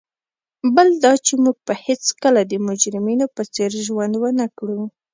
بل دا چي موږ به هیڅکله د مجرمینو په څېر ژوند ونه کړو.